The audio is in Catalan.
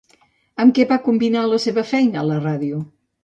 Amb que va combinar la seva feina a la ràdio?